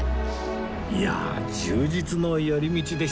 いやあ充実の寄り道でした